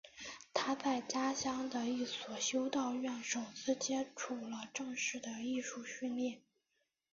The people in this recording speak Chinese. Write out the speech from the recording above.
他在家乡的一所修道院首次接触了正式的艺术训练。